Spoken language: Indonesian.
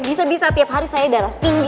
bisa bisa tiap hari saya darah tinggi